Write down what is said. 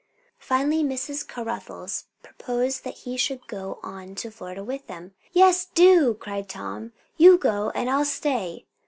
Finally, Mrs. Caruthers proposed that he should go on to Florida with them. "Yes, do!" cried Tom. "You go, and I'll stay."